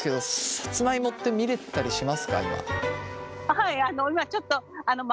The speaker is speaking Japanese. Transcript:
はい。